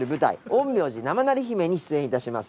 『陰陽師生成り姫』に出演いたします。